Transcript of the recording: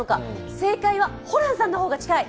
正解はホランさんの方が近い。